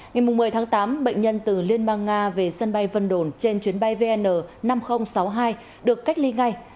ngày một mươi tháng tám bệnh nhân từ liên bang nga về sân bay vân đồn trên chuyến bay vn năm nghìn sáu mươi hai được cách ly ngay